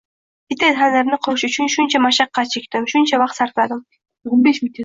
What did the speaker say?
Bitta tandirni qurish uchun shuncha mashaqqat chekdim, shuncha vaqt sarfladim